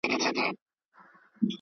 د مطالعې له لاري نوي مهارتونه زده کړئ.